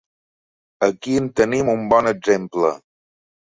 Aquí en tenim un bon exemple.